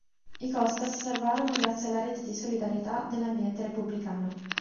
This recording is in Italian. I Costa si salvarono grazie alla rete di solidarietà dell'ambiente repubblicano.